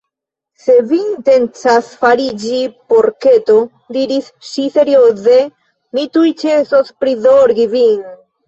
"Se vi intencas fariĝi porketo," diris ŝi serioze, "mi tuj ĉesos prizorgi vin!"